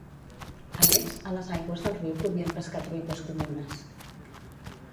A més, a les aigües del riu podien pescar truites comunes.